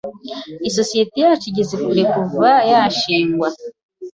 Isosiyete yacu igeze kure kuva yashingwa.